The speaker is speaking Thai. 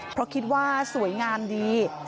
เพราะคิดว่าสวยงามดี